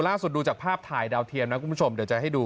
ดูจากภาพถ่ายดาวเทียมนะคุณผู้ชมเดี๋ยวจะให้ดู